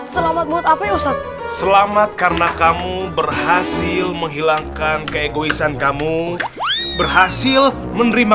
selamat buat apa ya ustadz selamat karena kamu berhasil menghilangkan keegoisan kamu berhasil menerima